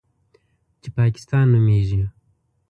چې پاکستان نومېږي.